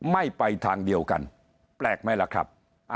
ไม่ไปทางเดียวกันแปลกไหมล่ะครับ